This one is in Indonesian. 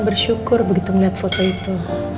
bersyukur begitu melihat foto itu